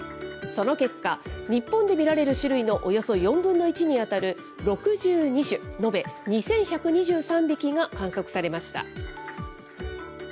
その結果、日本で見られる種類のおよそ４分の１に当たる６２種延べ２１２３匹が観測されました。